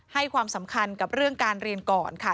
ให้ความสำคัญกับเรื่องการเรียนก่อนค่ะ